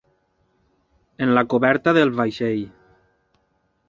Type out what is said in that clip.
En la coberta del vaixell.